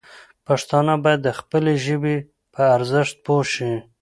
پښتانه باید د خپلې ژبې پر ارزښت پوه شي.